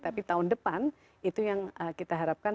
tapi tahun depan itu yang kita harapkan